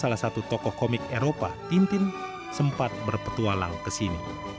salah satu tokoh komik eropa tintin sempat berpetualang ke sini